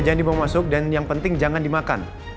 jangan dimasuk dan yang penting jangan dimakan